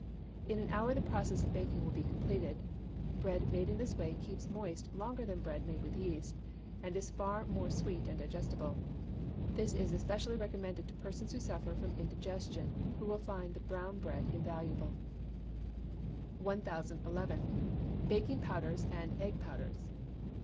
In an hour the process of baking will be completed. Bread made in this way keeps moist longer than bread made with yeast, and is far more sweet and digestible. This is especially recommended to persons who suffer from indigestion, who will find the brown bread invaluable. 1011. Baking Powders and Egg Powders.